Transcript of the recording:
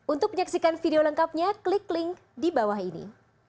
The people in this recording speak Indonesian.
untuk menyaksikan video lengkapnya klik link di bawah ini